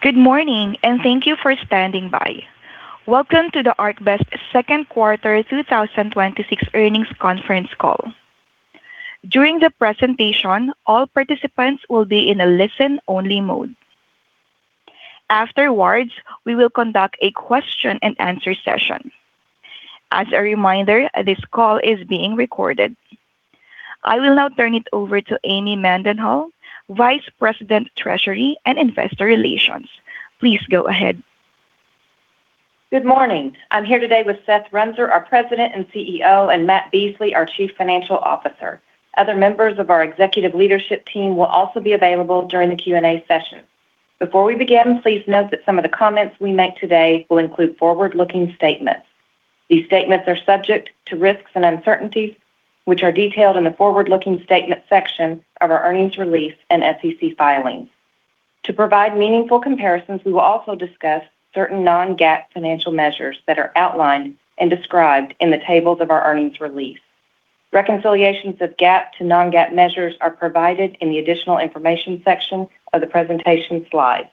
Good morning. Thank you for standing by. Welcome to the ArcBest Second Quarter 2026 Earnings Conference Call. During the presentation, all participants will be in a listen-only mode. Afterwards, we will conduct a question and answer session. As a reminder, this call is being recorded. I will now turn it over to Amy Mendenhall, Vice President, Treasury and Investor Relations. Please go ahead. Good morning. I'm here today with Seth Runser, our President and CEO, and Matt Beasley, our Chief Financial Officer. Other members of our executive leadership team will also be available during the Q&A session. Before we begin, please note that some of the comments we make today will include forward-looking statements. These statements are subject to risks and uncertainties, which are detailed in the forward-looking statements section of our earnings release and SEC filings. To provide meaningful comparisons, we will also discuss certain non-GAAP financial measures that are outlined and described in the tables of our earnings release. Reconciliations of GAAP to non-GAAP measures are provided in the Additional Information section of the presentation slides.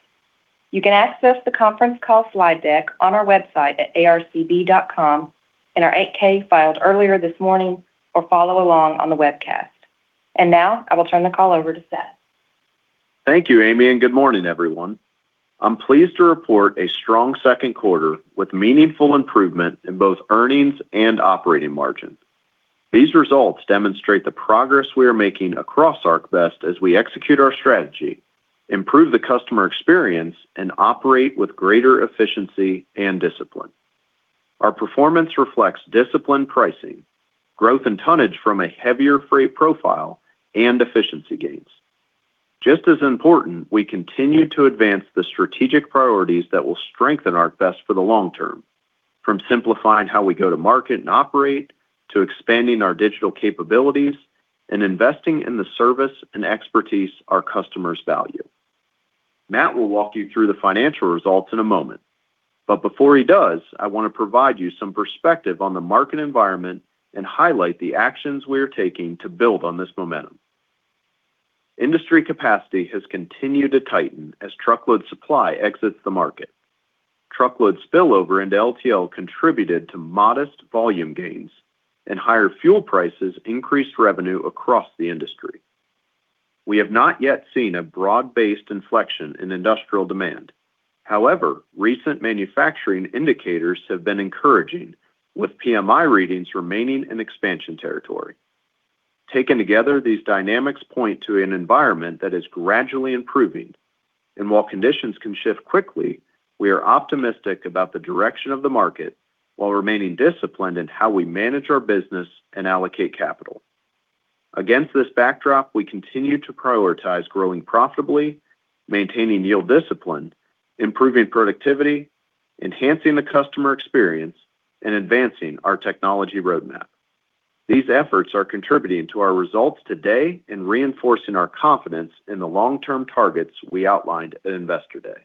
You can access the conference call slide deck on our website at arcb.com, in our 8-K filed earlier this morning, or follow along on the webcast. Now, I will turn the call over to Seth. Thank you, Amy, and good morning, everyone. I'm pleased to report a strong second quarter with meaningful improvement in both earnings and operating margins. These results demonstrate the progress we are making across ArcBest as we execute our strategy, improve the customer experience, and operate with greater efficiency and discipline. Our performance reflects disciplined pricing, growth in tonnage from a heavier freight profile, and efficiency gains. Just as important, we continue to advance the strategic priorities that will strengthen ArcBest for the long term, from simplifying how we go to market and operate, to expanding our digital capabilities, and investing in the service and expertise our customers value. Matt will walk you through the financial results in a moment. Before he does, I want to provide you some perspective on the market environment and highlight the actions we are taking to build on this momentum. Industry capacity has continued to tighten as truckload supply exits the market. Truckload spillover into LTL contributed to modest volume gains, and higher fuel prices increased revenue across the industry. We have not yet seen a broad-based inflection in industrial demand. However, recent manufacturing indicators have been encouraging, with PMI readings remaining in expansion territory. Taken together, these dynamics point to an environment that is gradually improving, and while conditions can shift quickly, we are optimistic about the direction of the market while remaining disciplined in how we manage our business and allocate capital. Against this backdrop, we continue to prioritize growing profitably, maintaining yield discipline, improving productivity, enhancing the customer experience, and advancing our technology roadmap. These efforts are contributing to our results today and reinforcing our confidence in the long-term targets we outlined at Investor Day.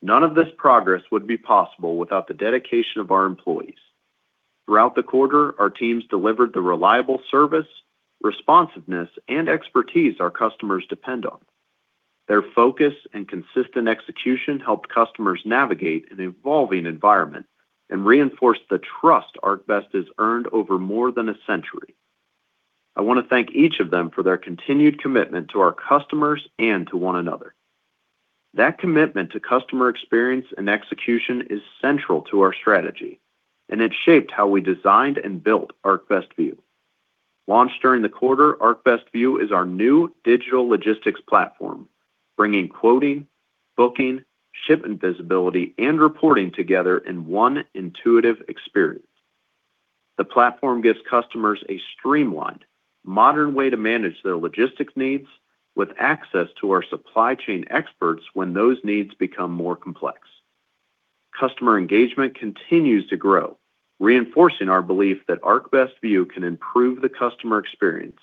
None of this progress would be possible without the dedication of our employees. Throughout the quarter, our teams delivered the reliable service, responsiveness, and expertise our customers depend on. Their focus and consistent execution helped customers navigate an evolving environment and reinforced the trust ArcBest has earned over more than a century. I want to thank each of them for their continued commitment to our customers and to one another. That commitment to customer experience and execution is central to our strategy, and it shaped how we designed and built ArcBest View. Launched during the quarter, ArcBest View is our new digital logistics platform, bringing quoting, booking, shipment visibility, and reporting together in one intuitive experience. The platform gives customers a streamlined, modern way to manage their logistics needs with access to our supply chain experts when those needs become more complex. Customer engagement continues to grow, reinforcing our belief that ArcBest View can improve the customer experience,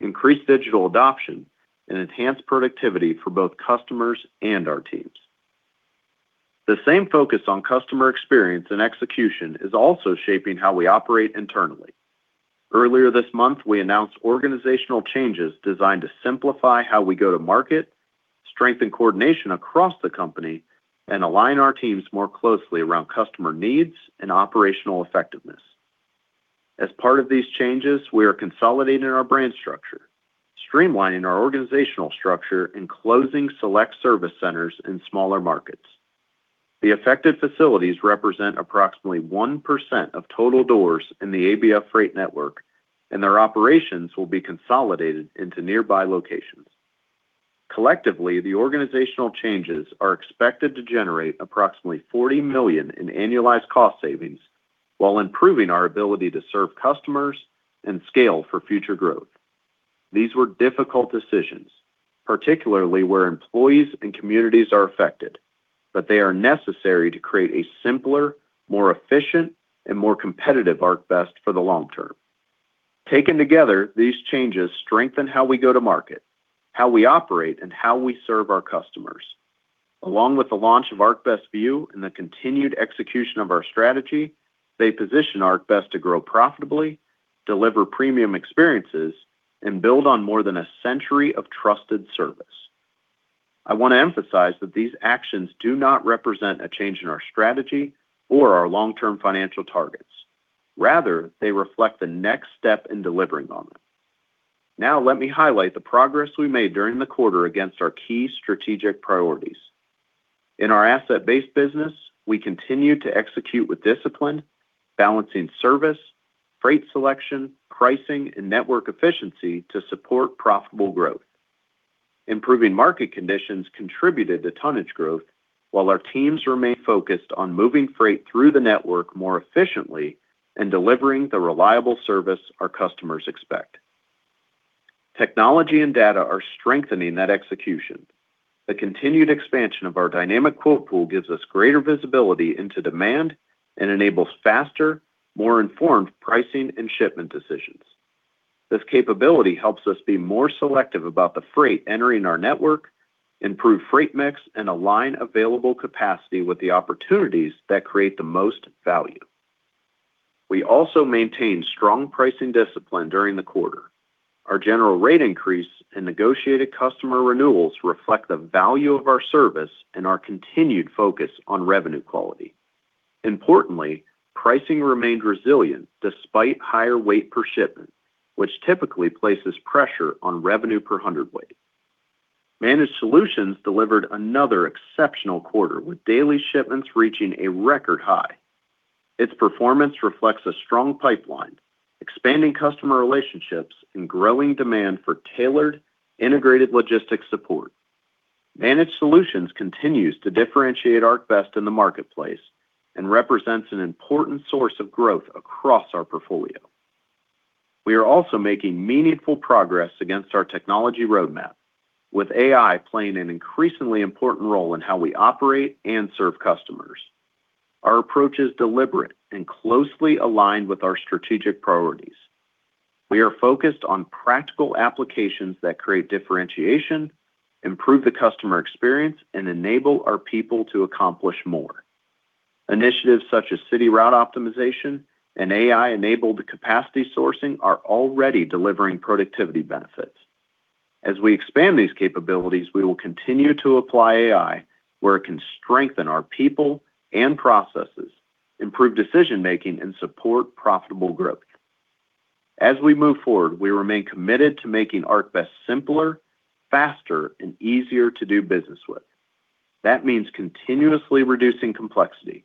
increase digital adoption, and enhance productivity for both customers and our teams. The same focus on customer experience and execution is also shaping how we operate internally. Earlier this month, we announced organizational changes designed to simplify how we go to market, strengthen coordination across the company, and align our teams more closely around customer needs and operational effectiveness. As part of these changes, we are consolidating our brand structure, streamlining our organizational structure, and closing select service centers in smaller markets. The affected facilities represent approximately 1% of total doors in the ABF Freight network, and their operations will be consolidated into nearby locations. Collectively, the organizational changes are expected to generate approximately $40 million in annualized cost savings while improving our ability to serve customers and scale for future growth. These were difficult decisions, particularly where employees and communities are affected, but they are necessary to create a simpler, more efficient, and more competitive ArcBest for the long term. Taken together, these changes strengthen how we go to market, how we operate, and how we serve our customers. Along with the launch of ArcBest View and the continued execution of our strategy, they position ArcBest to grow profitably, deliver premium experiences, and build on more than a century of trusted service. I want to emphasize that these actions do not represent a change in our strategy or our long-term financial targets. Rather, they reflect the next step in delivering on them. Now, let me highlight the progress we made during the quarter against our key strategic priorities. In our Asset-Based business, we continue to execute with discipline, balancing service, freight selection, pricing, and network efficiency to support profitable growth. Improving market conditions contributed to tonnage growth, while our teams remain focused on moving freight through the network more efficiently and delivering the reliable service our customers expect. Technology and data are strengthening that execution. The continued expansion of our dynamic quote pool gives us greater visibility into demand and enables faster, more informed pricing and shipment decisions. This capability helps us be more selective about the freight entering our network, improve freight mix, and align available capacity with the opportunities that create the most value. We also maintained strong pricing discipline during the quarter. Our general rate increase and negotiated customer renewals reflect the value of our service and our continued focus on revenue quality. Importantly, pricing remained resilient despite higher weight per shipment, which typically places pressure on revenue per hundredweight. Managed Solutions delivered another exceptional quarter, with daily shipments reaching a record high. Its performance reflects a strong pipeline, expanding customer relationships, and growing demand for tailored, integrated logistics support. Managed Solutions continues to differentiate ArcBest in the marketplace and represents an important source of growth across our portfolio. We are also making meaningful progress against our technology roadmap, with AI playing an increasingly important role in how we operate and serve customers. Our approach is deliberate and closely aligned with our strategic priorities. We are focused on practical applications that create differentiation, improve the customer experience, and enable our people to accomplish more. Initiatives such as city route optimization and AI-enabled capacity sourcing are already delivering productivity benefits. As we expand these capabilities, we will continue to apply AI where it can strengthen our people and processes, improve decision-making, and support profitable growth. As we move forward, we remain committed to making ArcBest simpler, faster, and easier to do business with. That means continuously reducing complexity,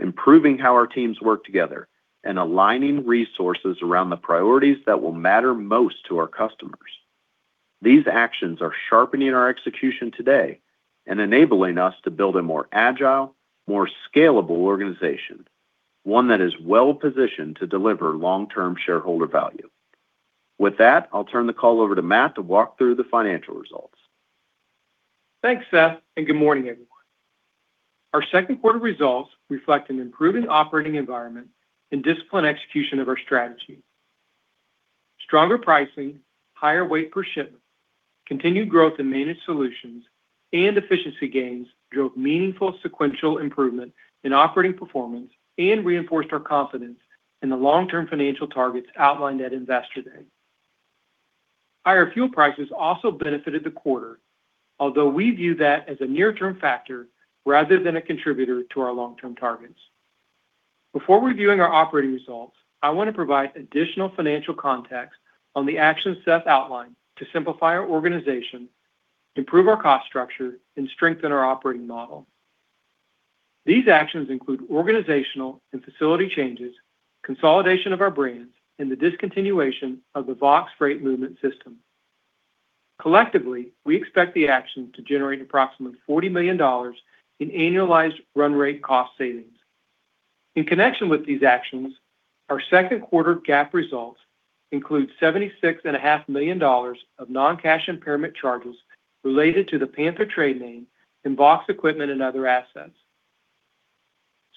improving how our teams work together, and aligning resources around the priorities that will matter most to our customers. These actions are sharpening our execution today and enabling us to build a more agile, more scalable organization, one that is well-positioned to deliver long-term shareholder value. With that, I'll turn the call over to Matt to walk through the financial results. Thanks, Seth. Good morning, everyone. Our second quarter results reflect an improving operating environment and disciplined execution of our strategy. Stronger pricing, higher weight per shipment, continued growth in Managed Solutions, and efficiency gains drove meaningful sequential improvement in operating performance and reinforced our confidence in the long-term financial targets outlined at Investor Day. Higher fuel prices also benefited the quarter, although we view that as a near-term factor rather than a contributor to our long-term targets. Before reviewing our operating results, I want to provide additional financial context on the actions Seth outlined to simplify our organization, improve our cost structure, and strengthen our operating model. These actions include organizational and facility changes, consolidation of our brands, and the discontinuation of the Vaux Freight Movement System. Collectively, we expect the action to generate approximately $40 million in annualized run rate cost savings. In connection with these actions, our second quarter GAAP results include $76.5 million of non-cash impairment charges related to the Panther trade name and Vaux equipment and other assets.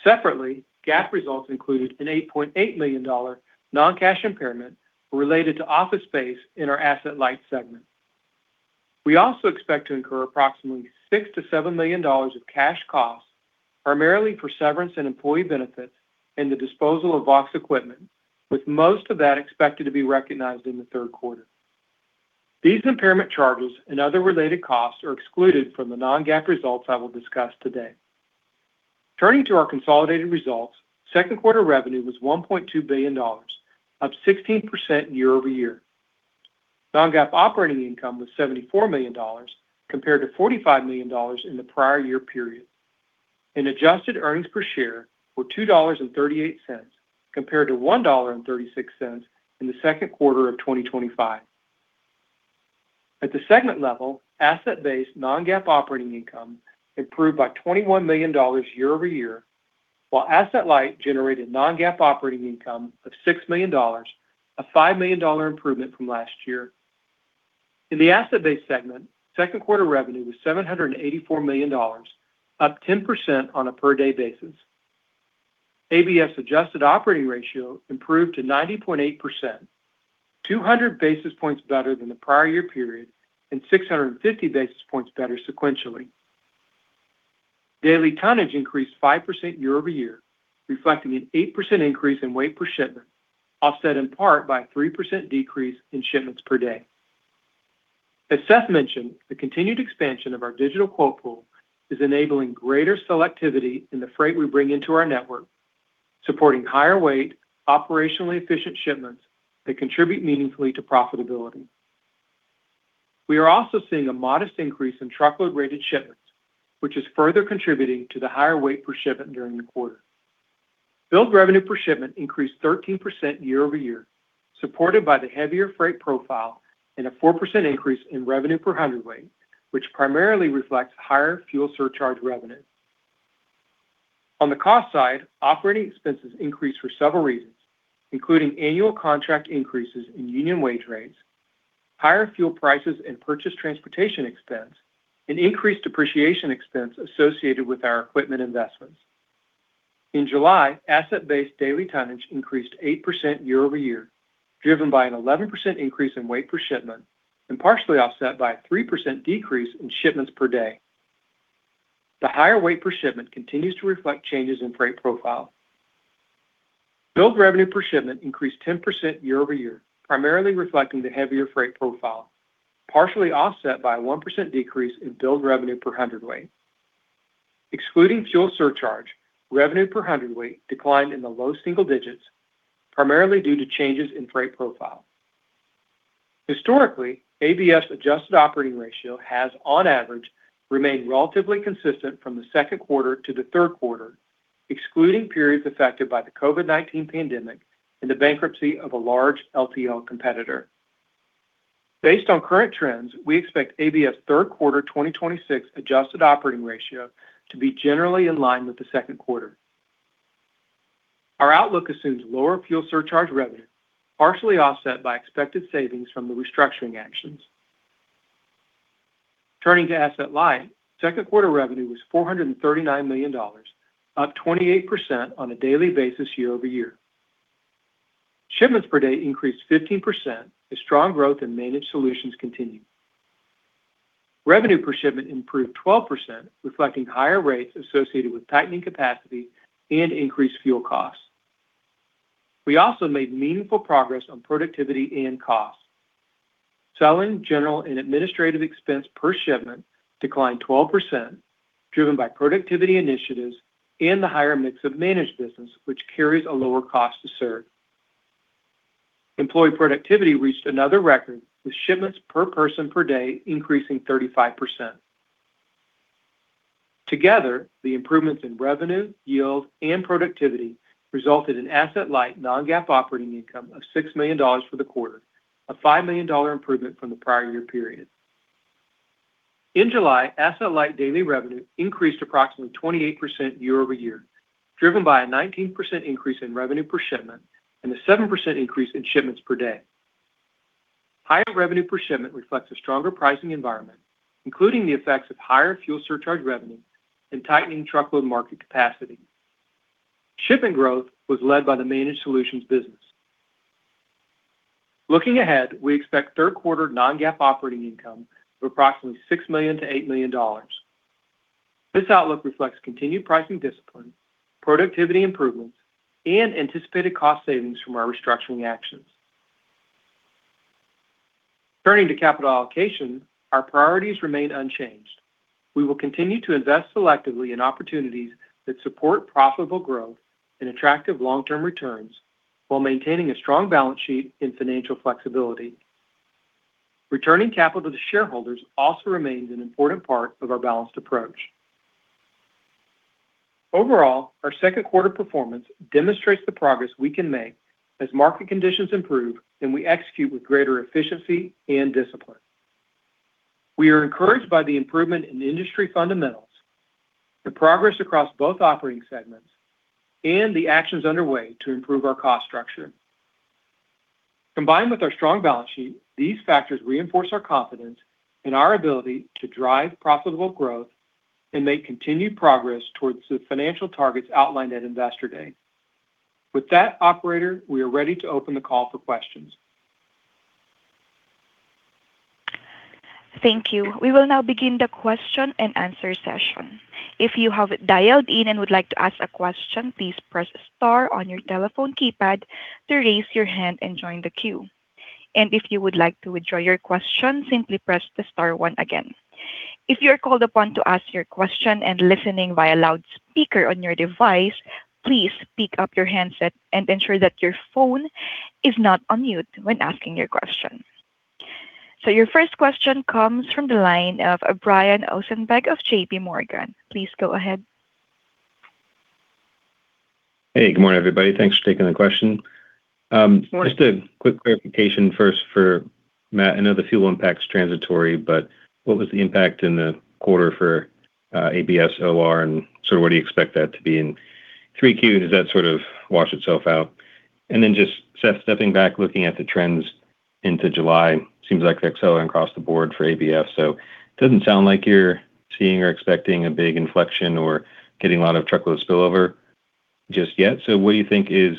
Separately, GAAP results included an $8.8 million non-cash impairment related to office space in our Asset-Light segment. We also expect to incur approximately $6 million-$7 million of cash costs, primarily for severance and employee benefits and the disposal of Vaux equipment, with most of that expected to be recognized in the third quarter. These impairment charges and other related costs are excluded from the non-GAAP results I will discuss today. Turning to our consolidated results, second quarter revenue was $1.2 billion, up 16% year-over-year. Non-GAAP operating income was $74 million compared to $45 million in the prior year period, and adjusted earnings per share were $2.38 compared to $1.36 in the second quarter of 2025. At the segment level, Asset-Based non-GAAP operating income improved by $21 million year-over-year, while Asset-Light generated non-GAAP operating income of $6 million, a $5 million improvement from last year. In the Asset-Based segment, second quarter revenue was $784 million, up 10% on a per-day basis. ABF adjusted operating ratio improved to 90.8%, 200 basis points better than the prior year period and 650 basis points better sequentially. Daily tonnage increased 5% year-over-year, reflecting an 8% increase in weight per shipment, offset in part by a 3% decrease in shipments per day. As Seth mentioned, the continued expansion of our digital quote pool is enabling greater selectivity in the freight we bring into our network, supporting higher weight, operationally efficient shipments that contribute meaningfully to profitability. We are also seeing a modest increase in truckload-rated shipments, which is further contributing to the higher weight per shipment during the quarter. Billed revenue per shipment increased 13% year-over-year, supported by the heavier freight profile and a 4% increase in revenue per hundredweight, which primarily reflects higher fuel surcharge revenue. On the cost side, operating expenses increased for several reasons, including annual contract increases in union wage rates, higher fuel prices and purchased transportation expense, and increased depreciation expense associated with our equipment investments. In July, Asset-Based daily tonnage increased 8% year-over-year, driven by an 11% increase in weight per shipment and partially offset by a 3% decrease in shipments per day. The higher weight per shipment continues to reflect changes in freight profile. Billed revenue per shipment increased 10% year-over-year, primarily reflecting the heavier freight profile, partially offset by a 1% decrease in billed revenue per hundredweight. Excluding fuel surcharge, revenue per hundredweight declined in the low single digits, primarily due to changes in freight profile. Historically, ABF's adjusted operating ratio has, on average, remained relatively consistent from the second quarter to the third quarter, excluding periods affected by the COVID-19 pandemic and the bankruptcy of a large LTL competitor. Based on current trends, we expect ABF's third quarter 2026 adjusted operating ratio to be generally in line with the second quarter. Our outlook assumes lower fuel surcharge revenue, partially offset by expected savings from the restructuring actions. Turning to Asset-Light, second quarter revenue was $439 million, up 28% on a daily basis year-over-year. Shipments per day increased 15% as strong growth in Managed solutions continued. Revenue per shipment improved 12%, reflecting higher rates associated with tightening capacity and increased fuel costs. We also made meaningful progress on productivity and costs. Selling, general, and administrative expense per shipment declined 12%, driven by productivity initiatives and the higher mix of Managed business, which carries a lower cost to serve. Employee productivity reached another record, with shipments per person per day increasing 35%. Together, the improvements in revenue, yield, and productivity resulted in Asset-Light non-GAAP operating income of $6 million for the quarter, a $5 million improvement from the prior year period. In July, Asset-Light daily revenue increased approximately 28% year-over-year, driven by a 19% increase in revenue per shipment and a 7% increase in shipments per day. Higher revenue per shipment reflects a stronger pricing environment, including the effects of higher fuel surcharge revenue and tightening truckload market capacity. Shipping growth was led by the Managed Solutions business. Looking ahead, we expect third quarter non-GAAP operating income of approximately $6 million-$8 million. This outlook reflects continued pricing discipline, productivity improvements, and anticipated cost savings from our restructuring actions. Turning to capital allocation, our priorities remain unchanged. We will continue to invest selectively in opportunities that support profitable growth and attractive long-term returns while maintaining a strong balance sheet and financial flexibility. Returning capital to shareholders also remains an important part of our balanced approach. Overall, our second quarter performance demonstrates the progress we can make as market conditions improve, and we execute with greater efficiency and discipline. We are encouraged by the improvement in industry fundamentals, the progress across both operating segments, and the actions underway to improve our cost structure. Combined with our strong balance sheet, these factors reinforce our confidence in our ability to drive profitable growth and make continued progress towards the financial targets outlined at Investor Day. With that, operator, we are ready to open the call for questions. Thank you. We will now begin the question and answer session. If you have dialed in and would like to ask a question, please press star on your telephone keypad to raise your hand and join the queue. If you would like to withdraw your question, simply press the star one again. If you are called upon to ask your question and listening by a loudspeaker on your device, please pick up your handset and ensure that your phone is not on mute when asking your question. Your first question comes from the line of Brian Ossenbeck of JPMorgan. Please go ahead. Hey, good morning, everybody. Thanks for taking the question. Morning. Just a quick clarification first for Matt. I know the fuel impact is transitory, but what was the impact in the quarter for ABF LTL and sort of, what do you expect that to be in 3Q? Has that sort of washed itself out? Just, Seth, stepping back, looking at the trends into July, seems like they're accelerating across the board for ABF. Doesn't sound like you're seeing or expecting a big inflection or getting a lot of truckload spillover Just yet. What do you think is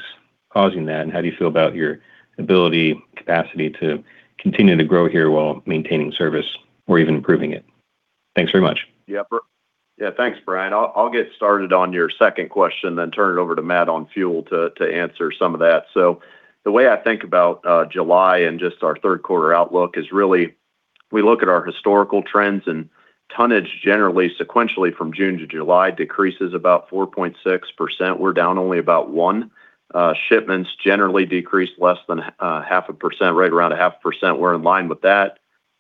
causing that, and how do you feel about your ability, capacity to continue to grow here while maintaining service or even improving it? Thanks very much. Thanks, Brian. I'll get started on your second question, turn it over to Matt on fuel to answer some of that. The way I think about July and just our third quarter outlook is really we look at our historical trends and tonnage generally sequentially from June to July decreases about 4.6%. We're down only about 1%. Shipments generally decrease less than half a percent, right around a half percent. We're in line with that.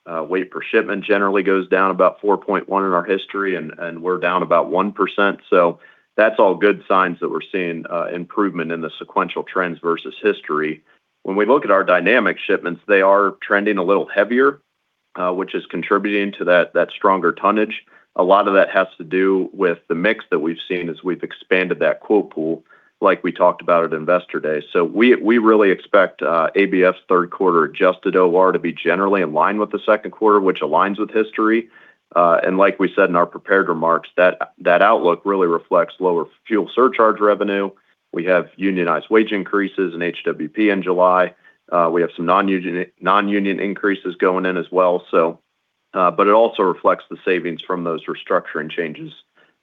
Weight per shipment generally goes down about 4.1% in our history, and we're down about 1%. That's all good signs that we're seeing improvement in the sequential trends versus history. When we look at our dynamic shipments, they are trending a little heavier, which is contributing to that stronger tonnage. A lot of that has to do with the mix that we've seen as we've expanded that quote pool, like we talked about at Investor Day. We really expect ABF's third quarter adjusted OR to be generally in line with the second quarter, which aligns with history. Like we said in our prepared remarks, that outlook really reflects lower fuel surcharge revenue. We have unionized wage increases in H&W&P in July. We have some non-union increases going in as well. It also reflects the savings from those restructuring changes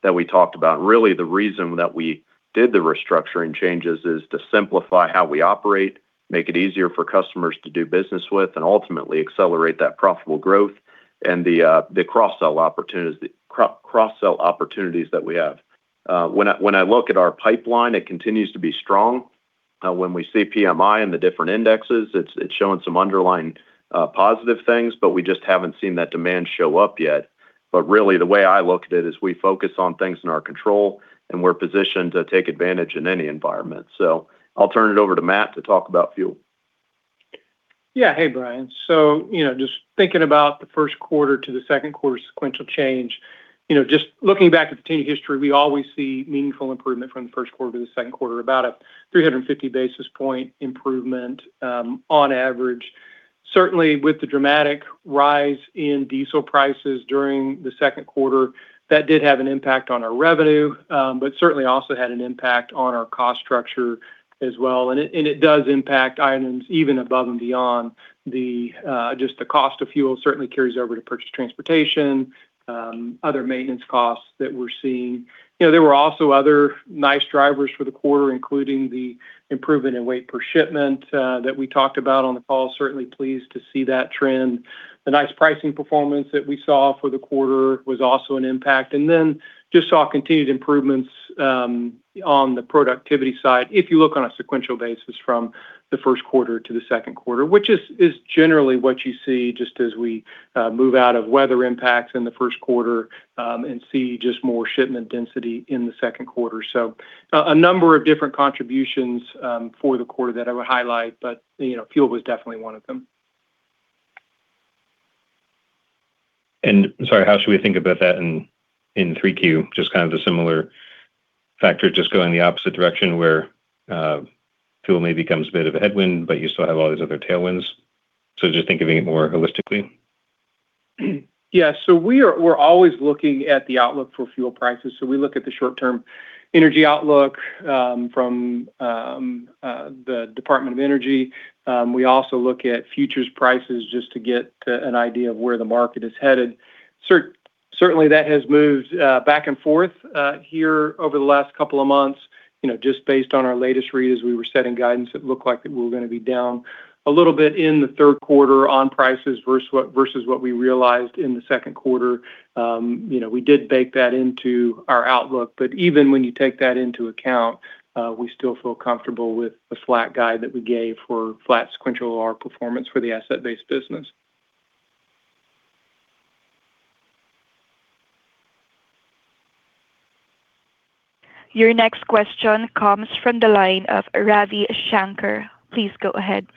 that we talked about. Really, the reason that we did the restructuring changes is to simplify how we operate, make it easier for customers to do business with, and ultimately accelerate that profitable growth and the cross-sell opportunities that we have. When I look at our pipeline, it continues to be strong. When we see PMI and the different indexes, it's showing some underlying positive things, we just haven't seen that demand show up yet. Really, the way I look at it is we focus on things in our control, and we're positioned to take advantage in any environment. I'll turn it over to Matt to talk about fuel. Yeah. Hey, Brian. Just thinking about the first quarter to the second quarter sequential change, just looking back at the team history, we always see meaningful improvement from the first quarter to the second quarter, about a 350 basis point improvement, on average. Certainly, with the dramatic rise in diesel prices during the second quarter, that did have an impact on our revenue. Certainly also had an impact on our cost structure as well. It does impact items even above and beyond just the cost of fuel certainly carries over to purchase transportation, other maintenance costs that we're seeing. There were also other nice drivers for the quarter, including the improvement in weight per shipment that we talked about on the call. Certainly pleased to see that trend. The nice pricing performance that we saw for the quarter was also an impact. Just saw continued improvements on the productivity side if you look on a sequential basis from the first quarter to the second quarter, which is generally what you see just as we move out of weather impacts in the first quarter, and see just more shipment density in the second quarter. A number of different contributions for the quarter that I would highlight, but fuel was definitely one of them. Sorry, how should we think about that in 3Q? Just a similar factor, just going the opposite direction where fuel maybe becomes a bit of a headwind, you still have all these other tailwinds. Just thinking of it more holistically. We're always looking at the outlook for fuel prices. We look at the short-term energy outlook from the U.S. Department of Energy. We also look at futures prices just to get an idea of where the market is headed. Certainly, that has moved back and forth here over the last couple of months. Just based on our latest read as we were setting guidance, it looked like we were going to be down a little bit in the third quarter on prices versus what we realized in the second quarter. We did bake that into our outlook, but even when you take that into account, we still feel comfortable with the flat guide that we gave for flat sequential OR performance for the Asset-Based business. Your next question comes from the line of Ravi Shanker. Please go ahead.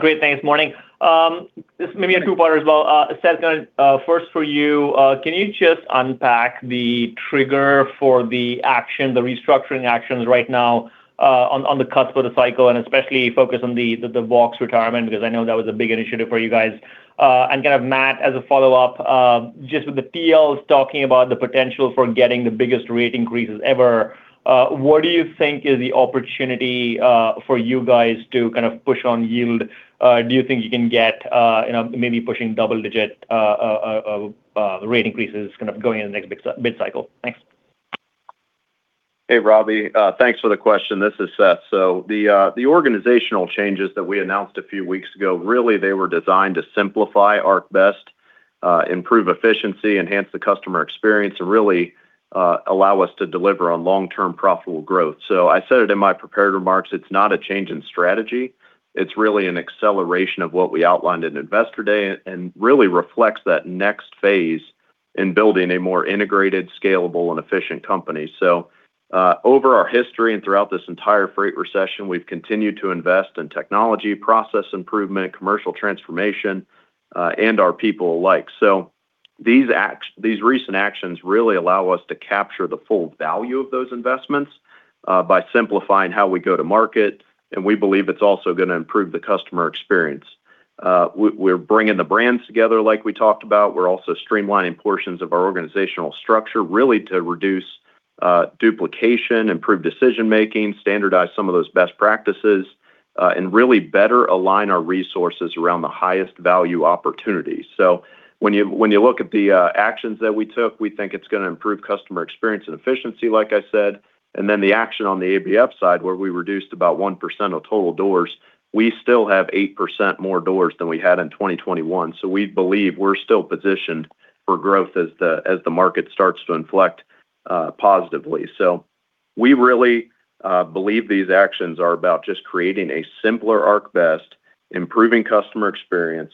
Great, thanks. Morning. This may be a two-parter as well. Seth, first for you, can you just unpack the trigger for the restructuring actions right now on the cusp of the cycle and especially focus on the Vaux retirement because I know that was a big initiative for you guys. Matt, as a follow-up, just with PLS talking about the potential for getting the biggest rate increases ever, what do you think is the opportunity for you guys to push on yield? Do you think you can get maybe pushing double-digit rate increases going into the next mid-cycle? Thanks. Hey, Ravi. Thanks for the question. This is Seth. The organizational changes that we announced a few weeks ago, really, they were designed to simplify ArcBest, improve efficiency, enhance the customer experience, and really allow us to deliver on long-term profitable growth. I said it in my prepared remarks, it's not a change in strategy. It's really an acceleration of what we outlined in Investor Day and really reflects that next phase in building a more integrated, scalable, and efficient company. Over our history and throughout this entire freight recession, we've continued to invest in technology, process improvement, commercial transformation, and our people alike. These recent actions really allow us to capture the full value of those investments by simplifying how we go to market, and we believe it's also going to improve the customer experience. We're bringing the brands together like we talked about. We're also streamlining portions of our organizational structure, really to reduce duplication, improve decision making, standardize some of those best practices, and really better align our resources around the highest value opportunities. When you look at the actions that we took, we think it's going to improve customer experience and efficiency, like I said. The action on the ABF side, where we reduced about 1% of total doors, we still have 8% more doors than we had in 2021. We really believe these actions are about just creating a simpler ArcBest, improving customer experience,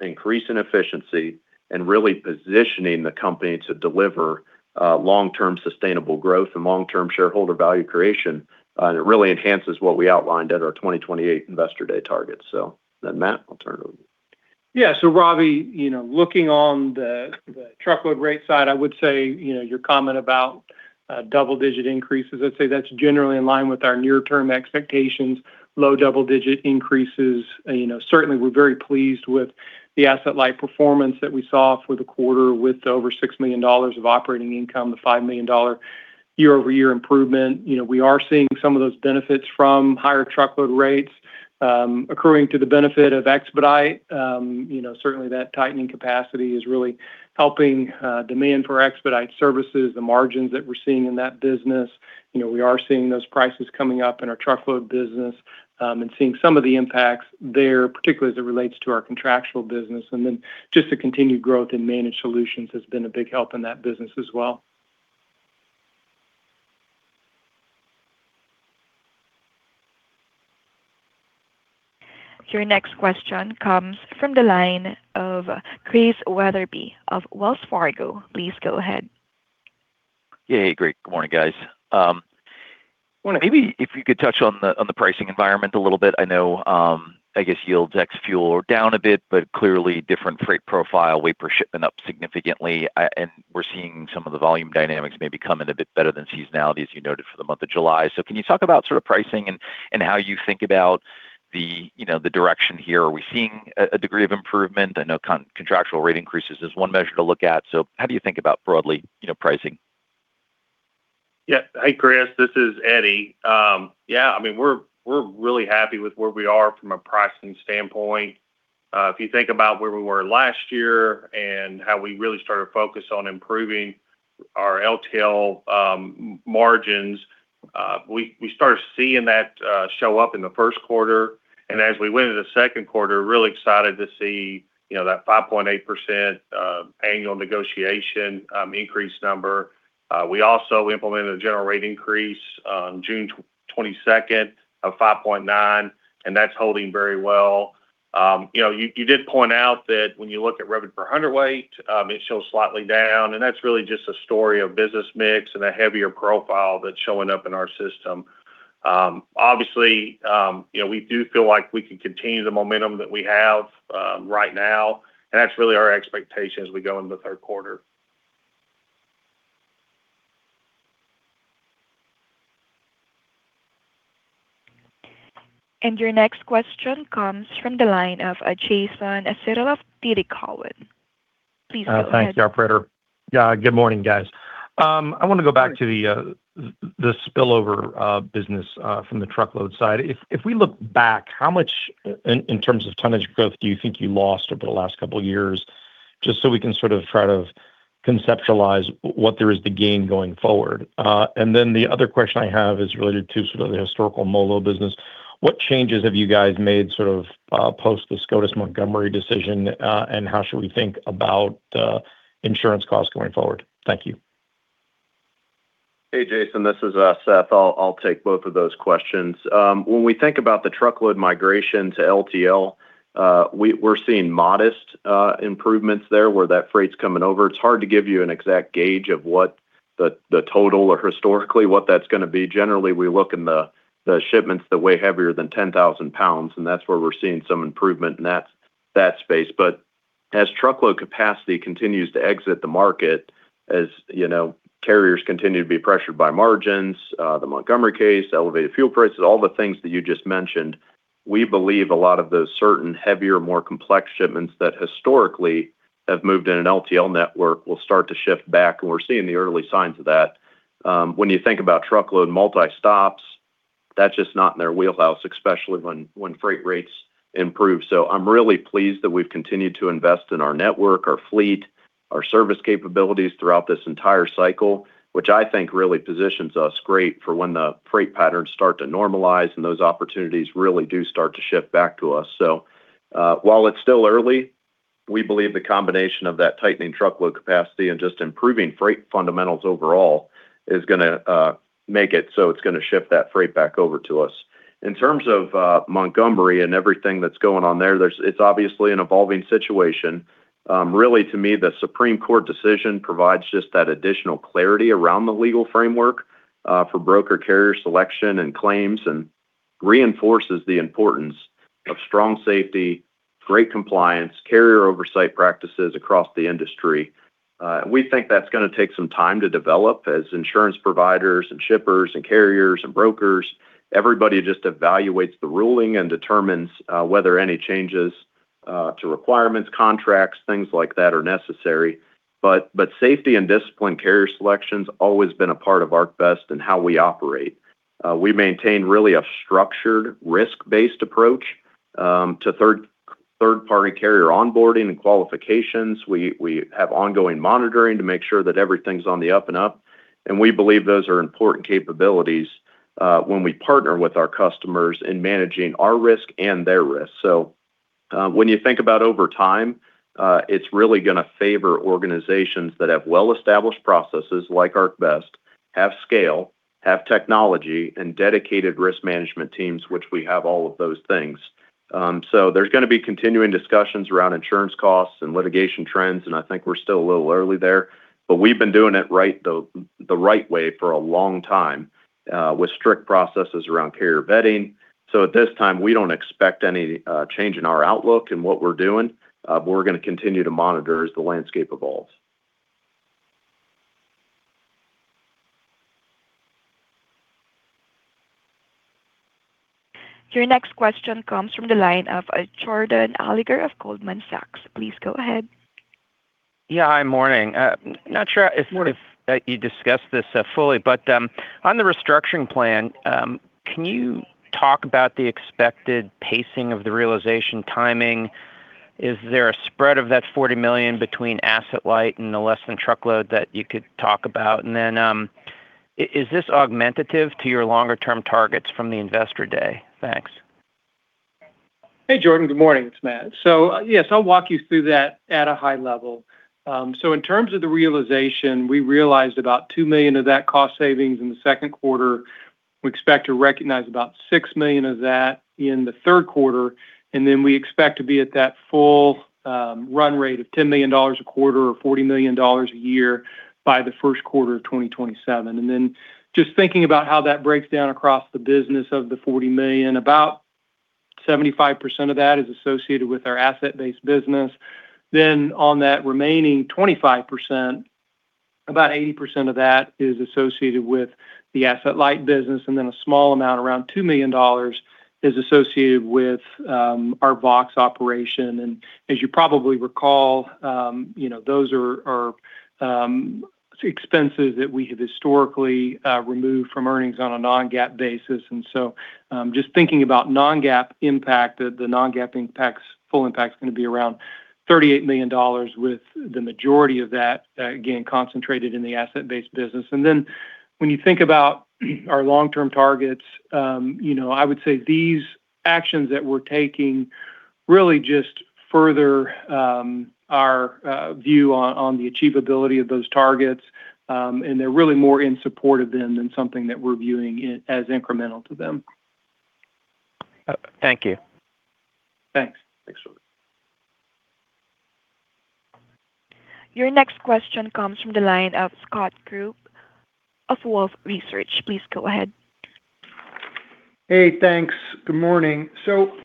increasing efficiency, and really positioning the company to deliver long-term sustainable growth and long-term shareholder value creation. It really enhances what we outlined at our 2028 Investor Day targets. Matt, I'll turn it over to you. Yeah. Ravi, looking on the truckload rate side, I would say your comment about double digit increases, I'd say that's generally in line with our near term expectations, low double digit increases. Certainly we're very pleased with the Asset-Light performance that we saw for the quarter with over $6 million of operating income, the $5 million year-over-year improvement. We are seeing some of those benefits from higher truckload rates accruing to the benefit of expedite. Certainly that tightening capacity is really helping demand for expedite services, the margins that we're seeing in that business. We are seeing those prices coming up in our truckload business, and seeing some of the impacts there, particularly as it relates to our contractual business. Just the continued growth in Managed Solutions has been a big help in that business as well. Your next question comes from the line of Chris Wetherbee of Wells Fargo. Please go ahead. Yeah. Great. Good morning, guys. Morning. Maybe if you could touch on the pricing environment a little bit. I know, I guess yields ex fuel are down a bit, but clearly different freight profile, weight per shipment up significantly. We're seeing some of the volume dynamics maybe come in a bit better than seasonality, as you noted for the month of July. Can you talk about sort of pricing and how you think about the direction here? Are we seeing a degree of improvement? I know contractual rate increases is one measure to look at. How do you think about broadly pricing? Yeah. Hey, Chris. This is Eddie. Yeah, we're really happy with where we are from a pricing standpoint. If you think about where we were last year and how we really started to focus on improving our LTL margins, we started seeing that show up in the first quarter. As we went into the second quarter, real excited to see that 5.8% annual negotiation increase number. We also implemented a general rate increase on June 22nd of 5.9%, That's holding very well. You did point out that when you look at revenue per hundredweight, it shows slightly down, That's really just a story of business mix and a heavier profile that's showing up in our system. We do feel like we can continue the momentum that we have right now, That's really our expectation as we go into the third quarter. Your next question comes from the line of Jason Seidl of TD Cowen. Please go ahead. Thanks, operator. Good morning, guys. I want to go back to the spillover business from the truckload side. If we look back, how much in terms of tonnage growth do you think you lost over the last couple of years, just so we can sort of try to conceptualize what there is to gain going forward? The other question I have is related to sort of the historical MoLo business. What changes have you guys made sort of post the SCOTUS Montgomery decision? How should we think about insurance costs going forward? Thank you. Hey, Jason. This is Seth. I'll take both of those questions. When we think about the truckload migration to LTL, we're seeing modest improvements there where that freight's coming over. It's hard to give you an exact gauge of what the total or historically what that's going to be. Generally, we look in the shipments that weigh heavier than 10,000 lbs, and that's where we're seeing some improvement in that space. As truckload capacity continues to exit the market, as carriers continue to be pressured by margins, the Montgomery case, elevated fuel prices, all the things that you just mentioned, we believe a lot of those certain heavier, more complex shipments that historically have moved in an LTL network will start to shift back, and we're seeing the early signs of that. When you think about truckload multi-stops, that's just not in their wheelhouse, especially when freight rates improve. I'm really pleased that we've continued to invest in our network, our fleet, our service capabilities throughout this entire cycle, which I think really positions us great for when the freight patterns start to normalize and those opportunities really do start to shift back to us. While it's still early, we believe the combination of that tightening truckload capacity and just improving freight fundamentals overall is going to make it so it's going to shift that freight back over to us. In terms of Montgomery and everything that's going on there, it's obviously an evolving situation. Really to me, the Supreme Court decision provides just that additional clarity around the legal framework for broker carrier selection and claims, and reinforces the importance of strong safety, great compliance, carrier oversight practices across the industry. We think that's going to take some time to develop as insurance providers and shippers and carriers and brokers, everybody just evaluates the ruling and determines whether any changes to requirements, contracts, things like that, are necessary. Safety and discipline carrier selection's always been a part of ArcBest and how we operate. We maintain really a structured risk-based approach to third-party carrier onboarding and qualifications. We have ongoing monitoring to make sure that everything's on the up and up, and we believe those are important capabilities when we partner with our customers in managing our risk and their risk. When you think about over time, it's really going to favor organizations that have well-established processes like ArcBest, have scale, have technology, and dedicated risk management teams, which we have all of those things. There's going to be continuing discussions around insurance costs and litigation trends, and I think we're still a little early there. We've been doing it the right way for a long time with strict processes around carrier vetting. At this time, we don't expect any change in our outlook and what we're doing. We're going to continue to monitor as the landscape evolves. Your next question comes from the line of Jordan Alliger of Goldman Sachs. Please go ahead. Yeah. Hi, morning. Not sure if- Morning you discussed this fully, on the restructuring plan, can you talk about the expected pacing of the realization timing? Is there a spread of that $40 million between Asset-Light and the less than truckload that you could talk about? Is this augmentative to your longer term targets from the investor day? Thanks. Hey, Jordan. Good morning. It's Matt. Yes, I'll walk you through that at a high level. In terms of the realization, we realized about $2 million of that cost savings in the second quarter. We expect to recognize about $6 million of that in the third quarter, and we expect to be at that full run rate of $10 million a quarter or $40 million a year by the first quarter of 2027. Just thinking about how that breaks down across the business of the $40 million, about 75% of that is associated with our Asset-Based business. On that remaining 25%, about 80% of that is associated with the Asset-Light business, and a small amount, around $2 million, is associated with our Vaux operation. As you probably recall, those are expenses that we have historically removed from earnings on a non-GAAP basis. Just thinking about non-GAAP impact, the non-GAAP in tax, full impact is going to be around $38 million with the majority of that, again, concentrated in the Asset-Based business. When you think about our long-term targets, I would say these actions that we're taking really just further our view on the achievability of those targets. They're really more in support of them than something that we're viewing as incremental to them. Thank you. Thanks. Your next question comes from the line of Scott Group of Wolfe Research. Please go ahead. Hey, thanks. Good morning.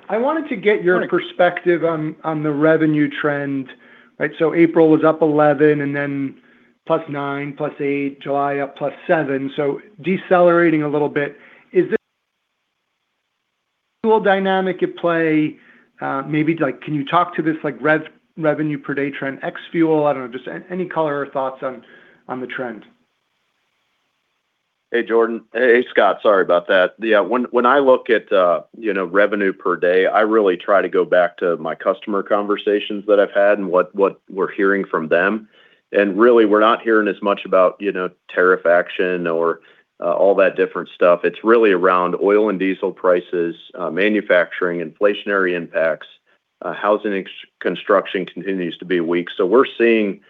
I wanted to get your perspective on the revenue trend, right? April was up 11 and then +9, +8, July up +7. Decelerating a little bit. Is this fuel dynamic at play? Maybe can you talk to this revenue per day trend, ex fuel? I don't know, just any color or thoughts on the trend. Hey, Jordan. Hey, Scott. Sorry about that. When I look at revenue per day, I really try to go back to my customer conversations that I've had and what we're hearing from them. Really, we're not hearing as much about tariff action or all that different stuff. It's really around oil and diesel prices, manufacturing, inflationary impacts. Housing construction continues to be weak. We're seeing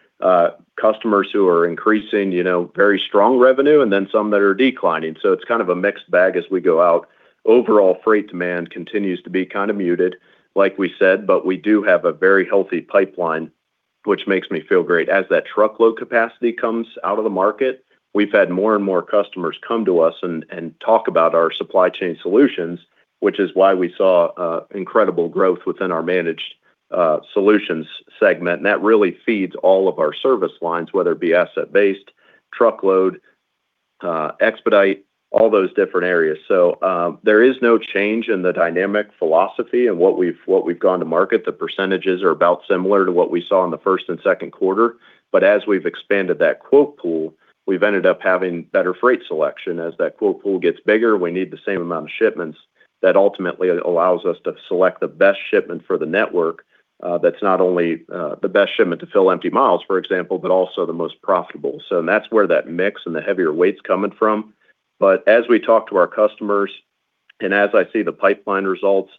customers who are increasing very strong revenue, and then some that are declining. It's kind of a mixed bag as we go out. Overall freight demand continues to be kind of muted, like we said, but we do have a very healthy pipeline, which makes me feel great. As that truckload capacity comes out of the market, we've had more and more customers come to us and talk about our supply chain solutions, which is why we saw incredible growth within our Managed Solutions segment. That really feeds all of our service lines, whether it be Asset-Based, truckload, expedite, all those different areas. There is no change in the dynamic philosophy and what we've gone to market. The percentages are about similar to what we saw in the first and second quarter. As we've expanded that quote pool, we've ended up having better freight selection. As that quote pool gets bigger, we need the same amount of shipments. That ultimately allows us to select the best shipment for the network, that's not only the best shipment to fill empty miles, for example, but also the most profitable. That's where that mix and the heavier weight's coming from. As we talk to our customers and as I see the pipeline results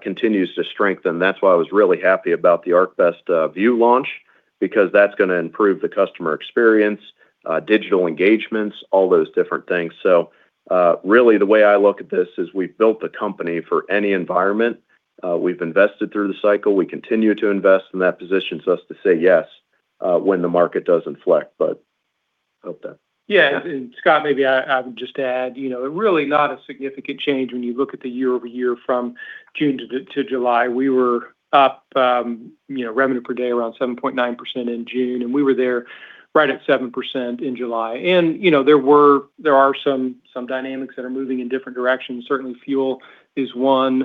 continues to strengthen, that's why I was really happy about the ArcBest View launch because that's going to improve the customer experience, digital engagements, all those different things. Really, the way I look at this is we've built the company for any environment. We've invested through the cycle, we continue to invest in that position so as to say yes when the market does inflect. Scott, maybe I would just add, really not a significant change when you look at the year-over-year from June to July. We were up revenue per day around 7.9% in June, and we were there right at 7% in July. There are some dynamics that are moving in different directions. Certainly, fuel is one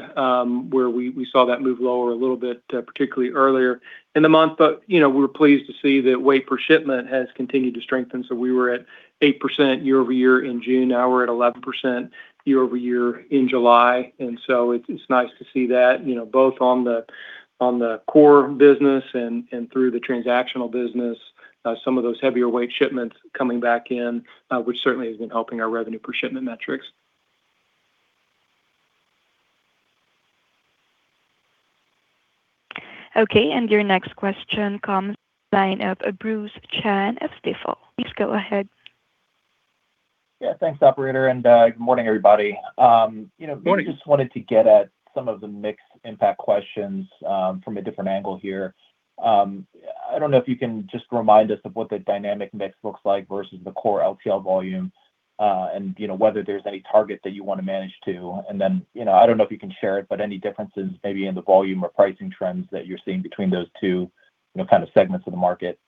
where we saw that move lower a little bit, particularly earlier in the month. We were pleased to see that weight per shipment has continued to strengthen. We were at 8% year-over-year in June. Now we're at 11% year-over-year in July. It's nice to see that both on the core business and through the transactional business, some of those heavier weight shipments coming back in, which certainly has been helping our revenue per shipment metrics. Okay, your next question comes from the line of Bruce Chan of Stifel. Please go ahead. Yeah. Thanks, operator, good morning, everybody. Morning. Just wanted to get at some of the mixed impact questions from a different angle here. I don't know if you can just remind us of what the dynamic mix looks like versus the core LTL volume, and whether there's any target that you want to manage to. I don't know if you can share it, any differences maybe in the volume or pricing trends that you're seeing between those two segments of the market?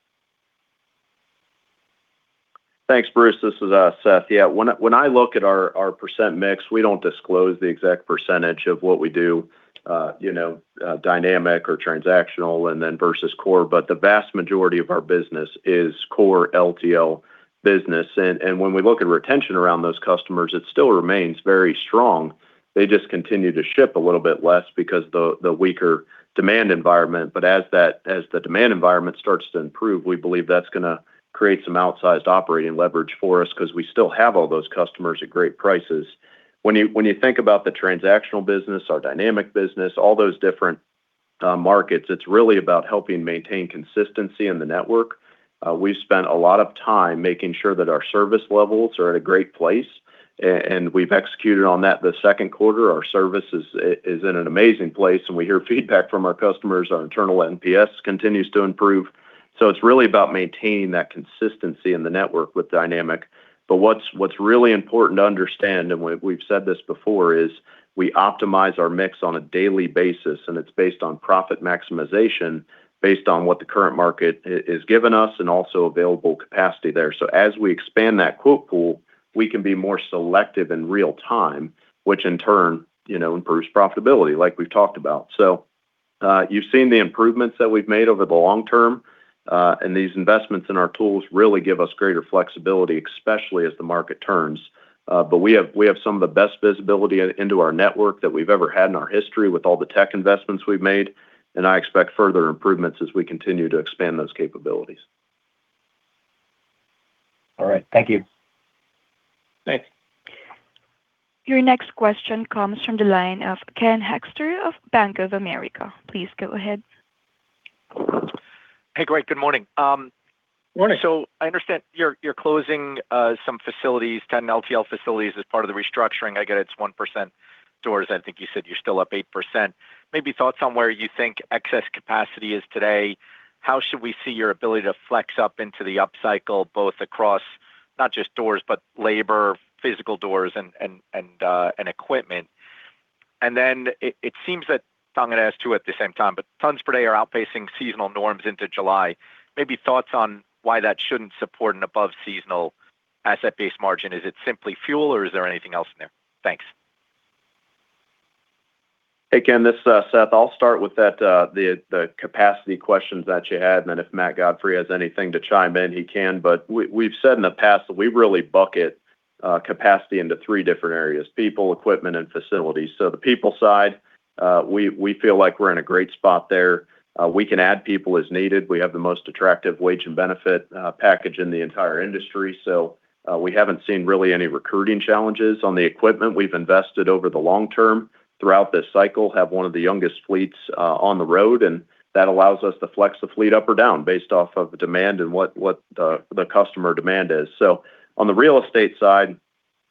Thanks, Bruce. This is Seth. When I look at our percent mix, we don't disclose the exact percentage of what we do, dynamic or transactional and then versus core. The vast majority of our business is core LTL business. When we look at retention around those customers, it still remains very strong. They just continue to ship a little bit less because of the weaker demand environment. As the demand environment starts to improve, we believe that's going to create some outsized operating leverage for us because we still have all those customers at great prices. When you think about the transactional business, our dynamic business, all those different markets, it's really about helping maintain consistency in the network. We've spent a lot of time making sure that our service levels are at a great place, and we've executed on that the second quarter. Our service is in an amazing place, and we hear feedback from our customers. Our internal NPS continues to improve. It's really about maintaining that consistency in the network with dynamic. What's really important to understand, and we've said this before, is we optimize our mix on a daily basis, and it's based on profit maximization based on what the current market is giving us and also available capacity there. As we expand that quote pool, we can be more selective in real time, which in turn improves profitability like we've talked about. You've seen the improvements that we've made over the long term, and these investments in our tools really give us greater flexibility, especially as the market turns. We have some of the best visibility into our network that we've ever had in our history with all the tech investments we've made, and I expect further improvements as we continue to expand those capabilities. All right. Thank you. Thanks. Your next question comes from the line of Ken Hoexter of Bank of America. Please go ahead. Hey, great. Good morning. Morning. I understand you're closing some facilities, 10 LTL facilities as part of the restructuring. I get it's 1% doors. I think you said you're still up 8%. Maybe thoughts on where you think excess capacity is today. How should we see your ability to flex up into the up cycle, both across not just doors, but labor, physical doors, and equipment. It seems that, I'm going to ask two at the same time, but tons per day are outpacing seasonal norms into July. Maybe thoughts on why that shouldn't support an above-seasonal Asset-Base margin. Is it simply fuel, or is there anything else in there? Thanks. Hey, Ken. This is Seth. I'll start with the capacity questions that you had, and then if Matt Godfrey has anything to chime in, he can. We've said in the past that we really bucket capacity into three different areas, people, equipment, and facilities. The people side, we feel like we're in a great spot there. We can add people as needed. We have the most attractive wage and benefit package in the entire industry. We haven't seen really any recruiting challenges. On the equipment, we've invested over the long term throughout this cycle, have one of the youngest fleets on the road, and that allows us to flex the fleet up or down based off of demand and what the customer demand is. On the real estate side,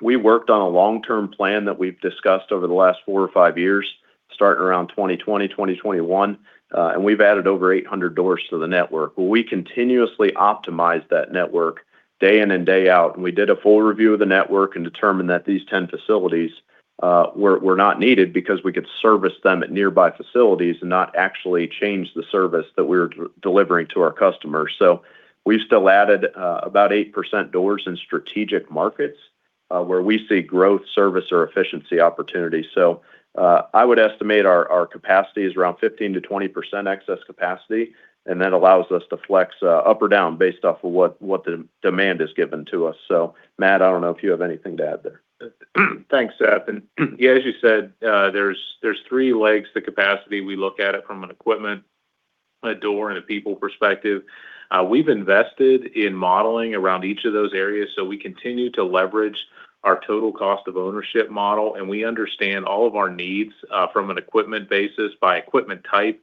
we worked on a long-term plan that we've discussed over the last four or five years, starting around 2020/2021, and we've added over 800 doors to the network. We continuously optimize that network day in and day out, and we did a full review of the network and determined that these 10 facilities were not needed because we could service them at nearby facilities and not actually change the service that we were delivering to our customers. We've still added about 8% doors in strategic markets, where we see growth, service, or efficiency opportunities. I would estimate our capacity is around 15%-20% excess capacity, and that allows us to flex up or down based off of what the demand has given to us. Matt, I don't know if you have anything to add there. Thanks, Seth. Yeah, as you said, there's three legs to capacity. We look at it from an equipment, a door, and a people perspective. We've invested in modeling around each of those areas. We continue to leverage our total cost of ownership model, and we understand all of our needs from an equipment basis by equipment type.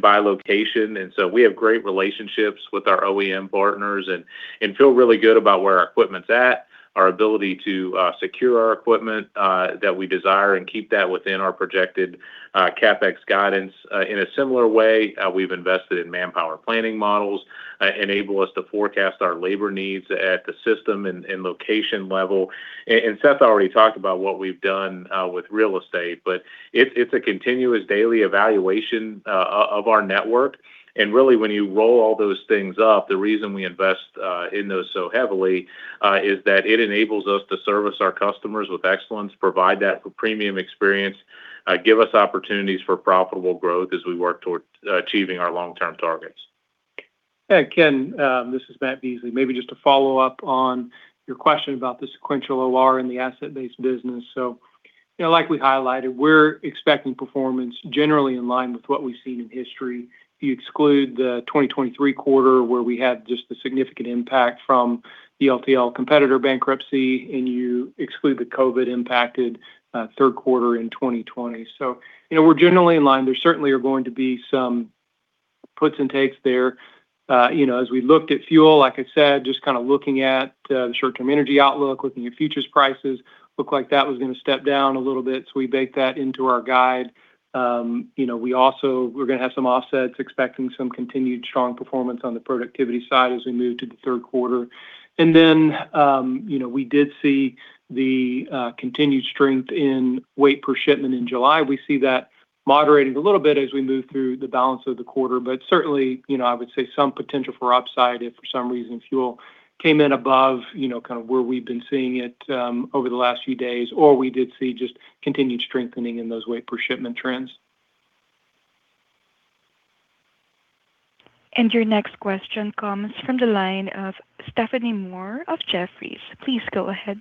By location. We have great relationships with our OEM partners and feel really good about where our equipment's at, our ability to secure our equipment that we desire and keep that within our projected CapEx guidance. In a similar way, we've invested in manpower planning models, enable us to forecast our labor needs at the system and location level. Seth already talked about what we've done with real estate, but it's a continuous daily evaluation of our network. Really when you roll all those things up, the reason we invest in those so heavily, is that it enables us to service our customers with excellence, provide that premium experience, give us opportunities for profitable growth as we work toward achieving our long-term targets. Hey, Ken, this is Matt Beasley. Maybe just to follow up on your question about the sequential OR in the Asset-Based business. Like we highlighted, we're expecting performance generally in line with what we've seen in history. If you exclude the 2023 quarter where we had just the significant impact from the LTL competitor bankruptcy, and you exclude the COVID impacted third quarter in 2020. We're generally in line. There certainly are going to be some puts and takes there. As we looked at fuel, like I said, just kind of looking at the short-term energy outlook, looking at futures prices, looked like that was going to step down a little bit. We baked that into our guide. We're going to have some offsets, expecting some continued strong performance on the productivity side as we move to the third quarter. We did see the continued strength in weight per shipment in July. We see that moderating a little bit as we move through the balance of the quarter. I would say some potential for upside if for some reason fuel came in above kind of where we've been seeing it over the last few days, or we did see just continued strengthening in those weight per shipment trends. Your next question comes from the line of Stephanie Moore of Jefferies. Please go ahead.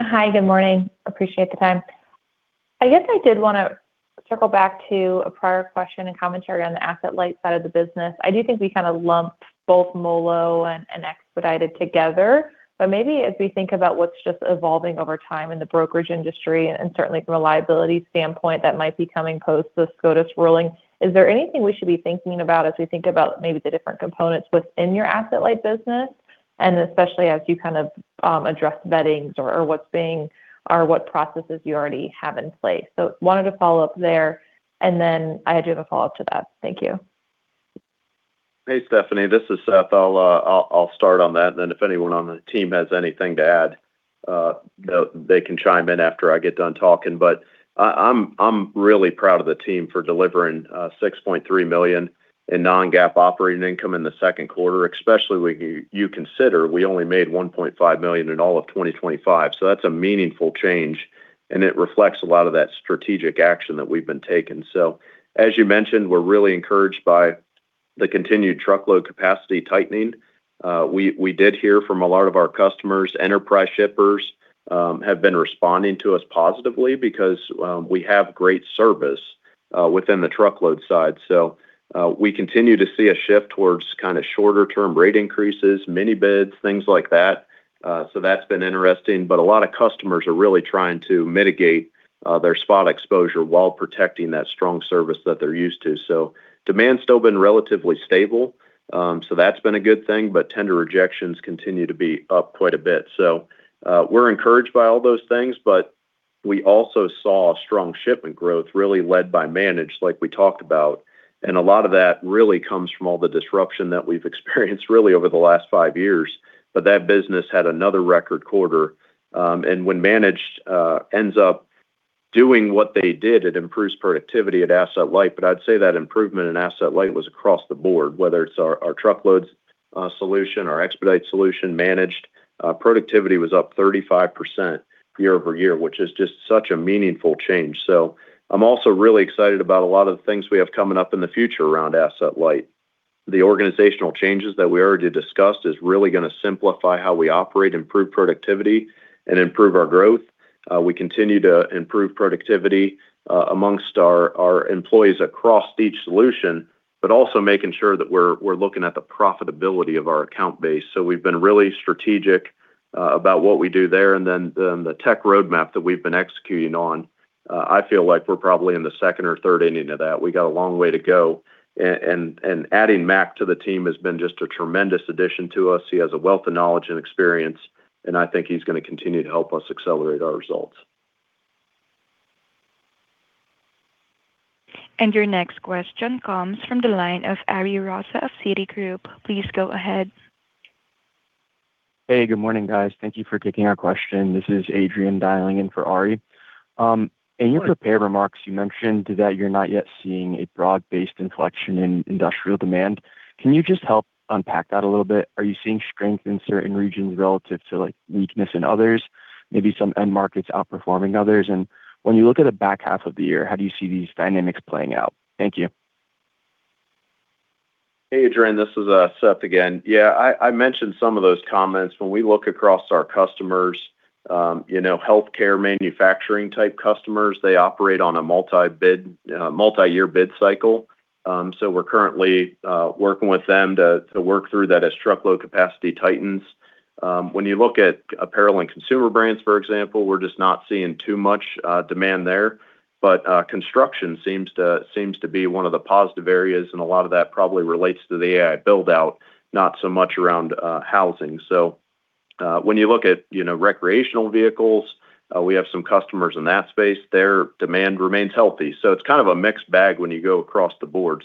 Hi. Good morning. Appreciate the time. I did want to circle back to a prior question and commentary on the Asset-Light side of the business. I do think we kind of lump both MoLo and expedited together. As we think about what's just evolving over time in the brokerage industry and certainly from a liability standpoint that might be coming post the SCOTUS ruling, is there anything we should be thinking about as we think about maybe the different components within your Asset-Light business? Especially as you kind of address vettings or what processes you already have in place. Wanted to follow up there and then I do have a follow-up to that. Thank you. Hey, Stephanie. This is Seth. I'll start on that, if anyone on the team has anything to add, they can chime in after I get done talking. I'm really proud of the team for delivering $6.3 million in non-GAAP operating income in the second quarter, especially when you consider we only made $1.5 million in all of 2025. That's a meaningful change, and it reflects a lot of that strategic action that we've been taking. As you mentioned, we're really encouraged by the continued truckload capacity tightening. We did hear from a lot of our customers. Enterprise shippers have been responding to us positively because we have great service within the truckload side. We continue to see a shift towards kind of shorter term rate increases, mini bids, things like that. That's been interesting. A lot of customers are really trying to mitigate their spot exposure while protecting that strong service that they're used to. Demand's still been relatively stable, so that's been a good thing. Tender rejections continue to be up quite a bit. We're encouraged by all those things, but we also saw strong shipment growth really led by Managed, like we talked about. A lot of that really comes from all the disruption that we've experienced really over the last five years. That business had another record quarter. When Managed ends up doing what they did, it improves productivity at Asset-Light. I'd say that improvement in Asset-Light was across the board, whether it's our truckloads solution, our expedite solution, Managed. Productivity was up 35% year-over-year, which is just such a meaningful change. I'm also really excited about a lot of the things we have coming up in the future around Asset-Light. The organizational changes that we already discussed is really going to simplify how we operate, improve productivity, and improve our growth. We continue to improve productivity amongst our employees across each solution, but also making sure that we're looking at the profitability of our account base. We've been really strategic about what we do there. The tech roadmap that we've been executing on, I feel like we're probably in the second or third inning of that. We got a long way to go. Adding Mac to the team has been just a tremendous addition to us. He has a wealth of knowledge and experience, and I think he's going to continue to help us accelerate our results. Your next question comes from the line of Ari Rosa of Citigroup. Please go ahead. Hey, good morning, guys. Thank you for taking our question. This is Adrian dialing in for Ari. Sure. In your prepared remarks, you mentioned that you're not yet seeing a broad-based inflection in industrial demand. Can you just help unpack that a little bit? Are you seeing strength in certain regions relative to weakness in others? Maybe some end markets outperforming others? When you look at the back half of the year, how do you see these dynamics playing out? Thank you. Hey, Adrian, this is Seth again. Yeah, I mentioned some of those comments. When we look across our customers, healthcare manufacturing type customers, they operate on a multi-year bid cycle. We're currently working with them to work through that as truckload capacity tightens. When you look at apparel and consumer brands, for example, we're just not seeing too much demand there. Construction seems to be one of the positive areas, and a lot of that probably relates to the AI build-out, not so much around housing. When you look at recreational vehicles, we have some customers in that space. Their demand remains healthy. It's kind of a mixed bag when you go across the board.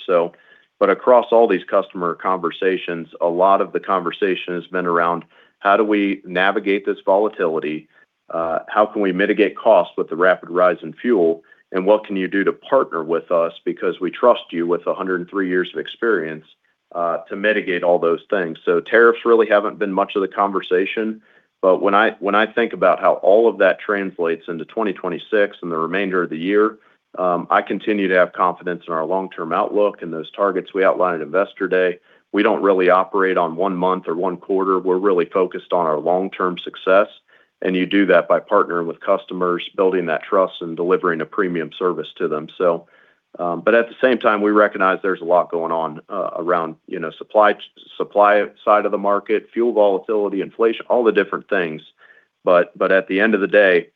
Across all these customer conversations, a lot of the conversation has been around how do we navigate this volatility? How can we mitigate costs with the rapid rise in fuel? What can you do to partner with us because we trust you with 103 years of experience to mitigate all those things? Tariffs really haven't been much of the conversation. When I think about how all of that translates into 2026 and the remainder of the year, I continue to have confidence in our long-term outlook and those targets we outlined at Investor Day. We don't really operate on one month or one quarter. We're really focused on our long-term success, and you do that by partnering with customers, building that trust, and delivering a premium service to them. At the same time, we recognize there's a lot going on around supply side of the market, fuel volatility, inflation, all the different things. At the end of the day,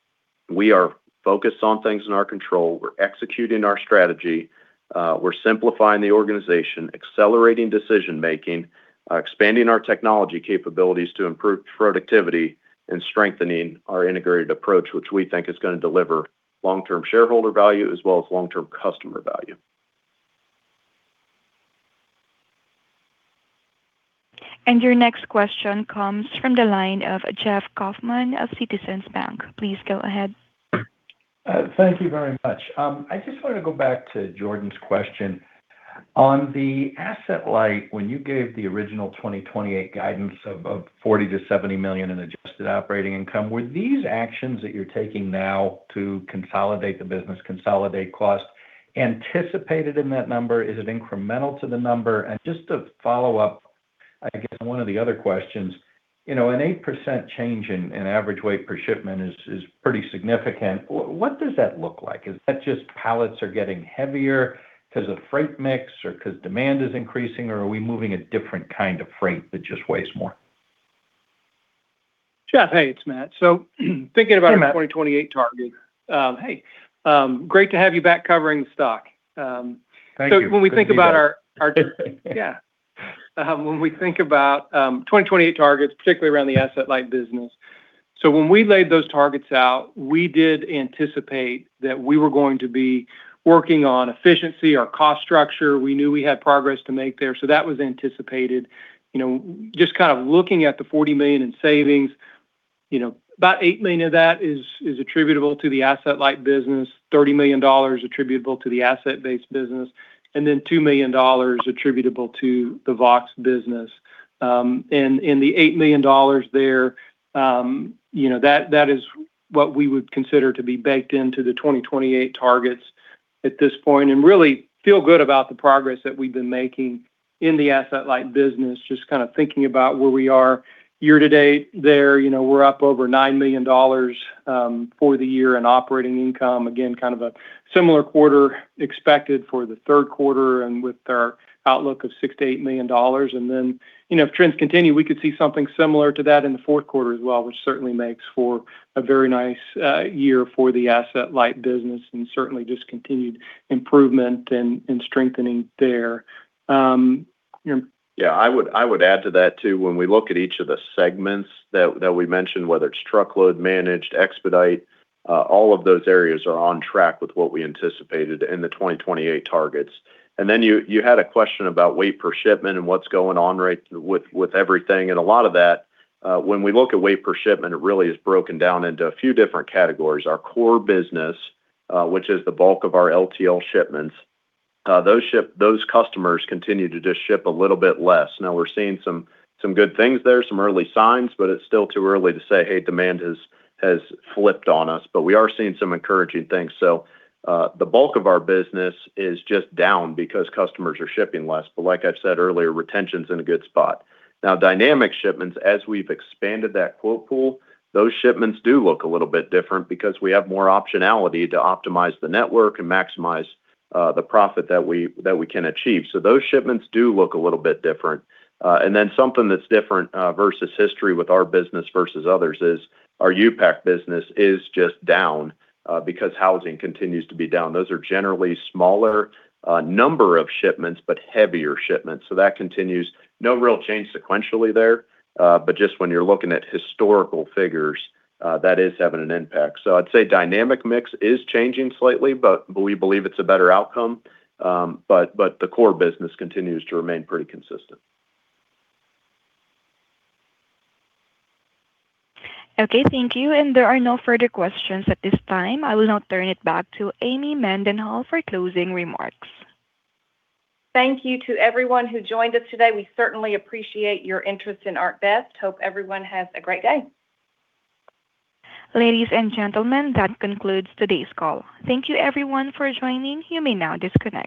we are focused on things in our control. We're executing our strategy. We're simplifying the organization, accelerating decision making, expanding our technology capabilities to improve productivity, and strengthening our integrated approach, which we think is going to deliver long-term shareholder value as well as long-term customer value. Your next question comes from the line of Jeff Kauffman of Citizens Bank. Please go ahead. Thank you very much. I just wanted to go back to Jordan's question. On the Asset-Light, when you gave the original 2028 guidance of $40 million-$70 million in adjusted operating income, were these actions that you're taking now to consolidate the business, consolidate cost anticipated in that number? Is it incremental to the number? Just to follow up, I guess one of the other questions, an 8% change in average weight per shipment is pretty significant. What does that look like? Is that just pallets are getting heavier because of freight mix or because demand is increasing? Are we moving a different kind of freight that just weighs more? Jeff, hey, it's Matt. Hey, Matt 2028 target. Hey, great to have you back covering stock. Thank you. Good to be back. When we think about 2028 targets, particularly around the Asset-Light business. When we laid those targets out, we did anticipate that we were going to be working on efficiency, our cost structure. We knew we had progress to make there. That was anticipated. Just kind of looking at the $40 million in savings, about $8 million of that is attributable to the Asset-Light business, $30 million attributable to the Asset-Based business, and then $2 million attributable to the Vaux business. The $8 million there, that is what we would consider to be baked into the 2028 targets at this point, and really feel good about the progress that we've been making in the Asset-Light business. Just kind of thinking about where we are year to date there, we're up over $9 million for the year in operating income. Again, kind of a similar quarter expected for the third quarter and with our outlook of $6 million-$8 million. Then, if trends continue, we could see something similar to that in the fourth quarter as well, which certainly makes for a very nice year for the Asset-Light business and certainly just continued improvement and strengthening there. I would add to that, too. When we look at each of the segments that we mentioned, whether it's truckload, Managed, expedite, all of those areas are on track with what we anticipated in the 2028 targets. Then you had a question about weight per shipment and what's going on right with everything. A lot of that, when we look at weight per shipment, it really is broken down into a few different categories. Our core business, which is the bulk of our LTL shipments, those customers continue to just ship a little bit less. We're seeing some good things there, some early signs, but it's still too early to say, "Hey, demand has flipped on us." We are seeing some encouraging things. The bulk of our business is just down because customers are shipping less. Like I've said earlier, retention's in a good spot. Dynamic shipments, as we've expanded that quote pool, those shipments do look a little bit different because we have more optionality to optimize the network and maximize the profit that we can achieve. Those shipments do look a little bit different. Something that's different versus history with our business versus others is our U-Pack business is just down because housing continues to be down. Those are generally smaller number of shipments, but heavier shipments. That continues. No real change sequentially there. Just when you're looking at historical figures, that is having an impact. I'd say dynamic mix is changing slightly, but we believe it's a better outcome. The core business continues to remain pretty consistent. Okay, thank you. There are no further questions at this time. I will now turn it back to Amy Mendenhall for closing remarks. Thank you to everyone who joined us today. We certainly appreciate your interest in ArcBest. Hope everyone has a great day. Ladies and gentlemen, that concludes today's call. Thank you everyone for joining. You may now disconnect.